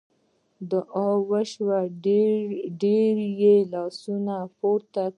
دعا وشوه ډېر یې لاسونه پورته کړل.